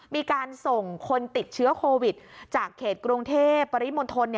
มีการส่งคนติดเชื้อโควิดจากเขตกรุงเทพปริมณฑล